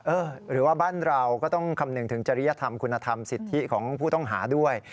หรือว่าบ้านเราก็ต้องคำนึงถึงจริยธรรมคุณธรรมสิทธิของผู้ต้องหาด้วย